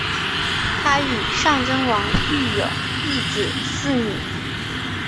她与尚贞王育有一子四女。